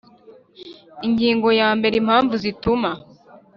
Ingingo ya mbere Impamvu zituma